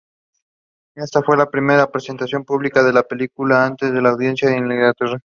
Esta fue la primera presentación pública de una película ante una audiencia en Inglaterra.